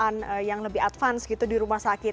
dan periksaan yang lebih advance gitu di rumah sakit